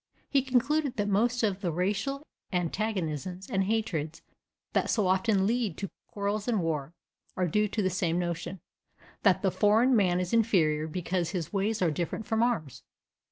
He concluded that most of the racial antagonisms and hatreds302 that so often lead to quarrels and war are due to the same notion; that the foreign man is inferior because his ways are different from ours.